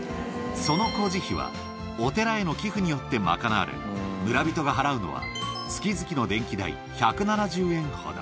その工事費は、お寺への寄付によって賄われ、村人が払うのは、月々の電気代１７０円ほど。